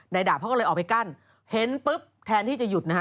ดาบเขาก็เลยออกไปกั้นเห็นปุ๊บแทนที่จะหยุดนะฮะ